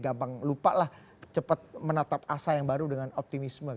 gampang lupalah cepat menatap asa yang baru dengan optimisme